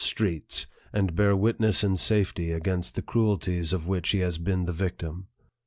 streets, and bear witness in safety against the cruel ties of which he has been the victim.